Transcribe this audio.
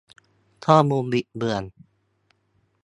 ข้อมูลบิดเบือน